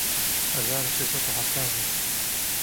هەزار و سێ سەد و حەفتا و هەشت